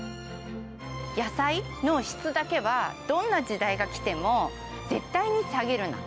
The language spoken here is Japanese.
野菜の質だけは、どんな時代がきても絶対に下げるな。